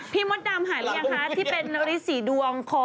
พี่มดดำหายแล้วไงคะที่เป็นริสีดวงคอ